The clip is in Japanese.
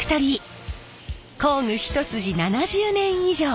工具一筋７０年以上！